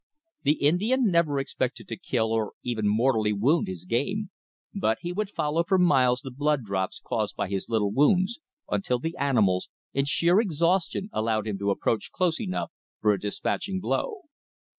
The Indian never expected to kill or even mortally wound his game; but he would follow for miles the blood drops caused by his little wounds, until the animals in sheer exhaustion allowed him to approach close enough for a dispatching blow.